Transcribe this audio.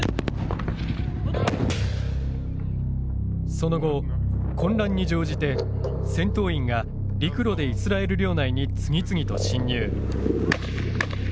その後、混乱に乗じて戦闘員が陸路でイスラエル領内に次々と侵入。